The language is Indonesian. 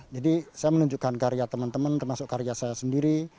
jadi saya menunjukkan karya teman teman termasuk karya saya sendiri